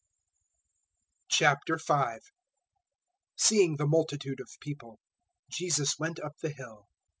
005:001 Seeing the multitude of people, Jesus went up the Hill.